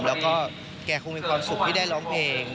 แล้วก็แกคงมีความสุขที่ได้ร้องเพลง